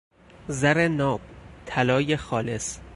زر ناب، طلای خالص